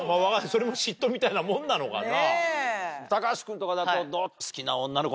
それも嫉妬みたいなもんなのかな？